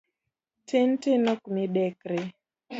Tin tin ok midekre.